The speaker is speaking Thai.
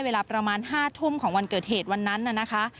เวลาประมาณ๕ทุ่มของวันเกิดเหตุวันนั้นน่ะนะคะ